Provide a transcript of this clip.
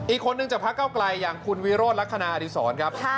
อีกคนนึงจากพระเก้าไกลอย่างคุณวิโรธลักษณะอดีศรครับ